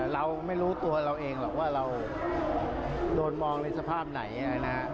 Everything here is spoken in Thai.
เราไม่รู้ตัวเราเองหรอกว่าเราโดนมองในสภาพไหนนะครับ